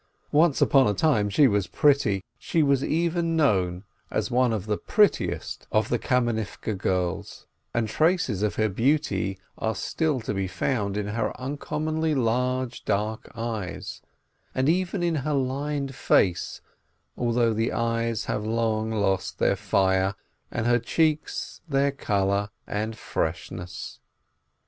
Once upon a time she was pretty, she was even known as one of the prettiest of the Kamenivke girls, and traces of her beauty are still to be found in her uncommonly large, dark eyes, and even in her lined face, although the eyes have long lost their fire, and her cheeks, their color and freshness.